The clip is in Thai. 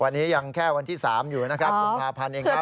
วันนี้ยังแค่วันที่๓อยู่นะครับกุมภาพันธ์เองครับ